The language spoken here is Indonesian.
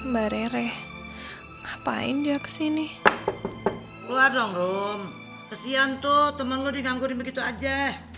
bareh ngapain dia kesini keluar dong rom kesian tuh temen lu dianggurin begitu aja